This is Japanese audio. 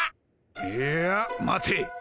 いや待て。